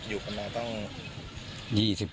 อยู่คำนาคตั้ง